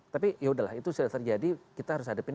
tapi yaudahlah itu sudah terjadi kita harus hadapin